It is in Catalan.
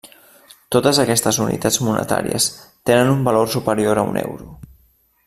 Totes aquestes unitats monetàries tenen un valor superior a un euro.